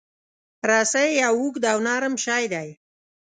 رسۍ یو اوږد او نرم شی دی.